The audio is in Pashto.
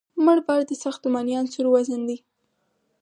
مړ بار د ساختماني عنصر وزن دی